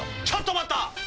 ちょっと待った！